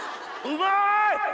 うまい！